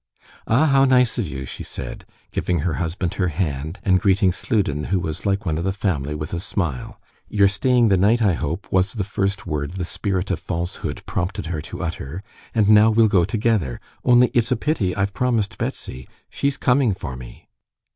"Ah, how nice of you!" she said, giving her husband her hand, and greeting Sludin, who was like one of the family, with a smile. "You're staying the night, I hope?" was the first word the spirit of falsehood prompted her to utter; "and now we'll go together. Only it's a pity I've promised Betsy. She's coming for me."